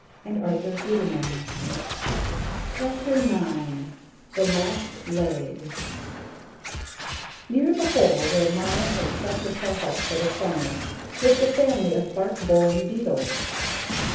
CHAPTER IX THE LOST LEG Near the hole where Maya had set herself up for the summer lived a family of bark boring beetles.